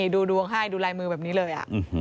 ดูดวงให้ดูลายมือแบบนี้เลย